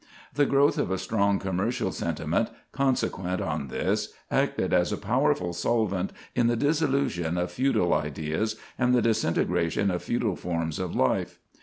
The growth of a strong commercial sentiment, consequent on this, acted as a powerful solvent in the dissolution of feudal ideas and the disintegration of feudal forms of life.